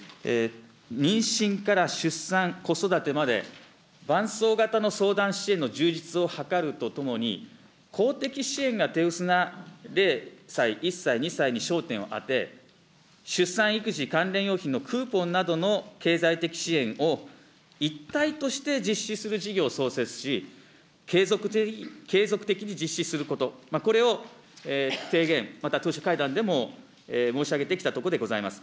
妊娠から出産、子育てまで、伴走型の相談支援の充実を図るとともに、公的支援が手薄な０歳、１歳、２歳に焦点を当て、出産育児関連用品のクーポンなどの経済的支援、一体として実施する事業を創設し、継続的に実施すること、これを提言また党首会談でも申し上げてきたところでございます。